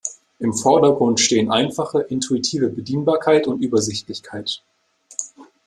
Im Vordergrund stehen einfache, intuitive Bedienbarkeit und Übersichtlichkeit.